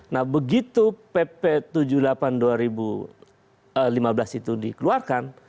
nah begitu pp tujuh puluh delapan dua ribu lima belas itu dikeluarkan